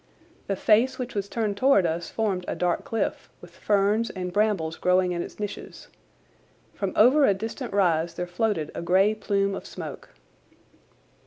The face which was turned towards us formed a dark cliff, with ferns and brambles growing in its niches. From over a distant rise there floated a grey plume of smoke.